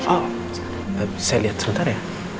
oh saya lihat sebentar ya